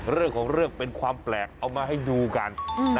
เรื่องของเรื่องเป็นความแปลกเอามาให้ดูกัน